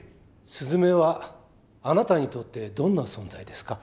すずめはあなたにとってどんな存在ですか？